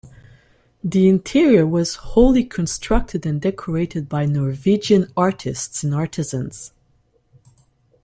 The interior was wholly constructed and decorated by Norwegian artists and artisans.